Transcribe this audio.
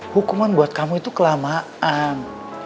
hukuman buat kamu itu kelamaan